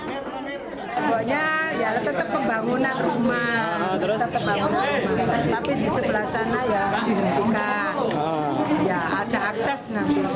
temboknya tetap pembangunan rumah tetap pembangunan rumah tapi di sebelah sana ya dihentikan ya ada akses nanti